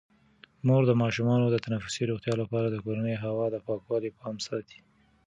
مور د ماشومانو د تنفسي روغتیا لپاره د کورني هوا د پاکوالي پام ساتي.